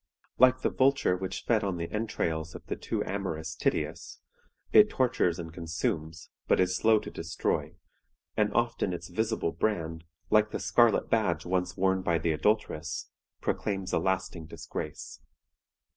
Like the vulture which fed on the entrails of the too amorous Tityus, it tortures and consumes, but is slow to destroy, and often its visible brand, like the scarlet badge once worn by the adulteress, proclaims a lasting disgrace.